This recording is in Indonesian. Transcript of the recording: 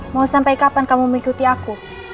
mau sampai kapan kamu mengikuti aku